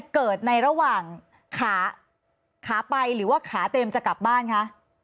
เกิดในระหว่างขาขาไปหรือว่าขาเต็มจะกลับบ้านคะ